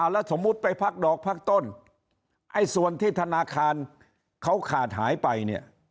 แล้วสมมุติไปพักดอกพักต้นไอ้ส่วนที่ธนาคารเขาขาดหายไปเนี่ย